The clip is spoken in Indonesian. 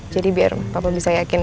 jadi biar papa bisa yakin